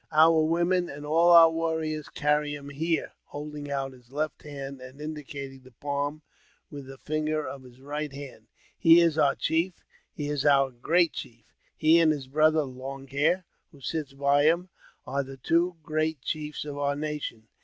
Our women and all our warriors carry him here (holding out his left hand and indicating the palm with a finger of his right hand) ; he is our chief ; he is our great chief ; he and his brother (Long Hair), who sits by him, are the two great chiefs of our nation.